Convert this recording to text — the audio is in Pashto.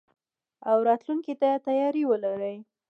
او راتلونکي ته تياری ولري.